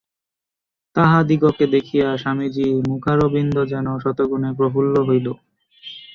তাহাদিগকে দেখিয়া স্বামীজীর মুখারবিন্দ যেন শতগুণে প্রফুল্ল হইল।